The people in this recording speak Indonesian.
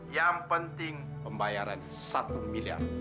yang penting pembayaran satu miliar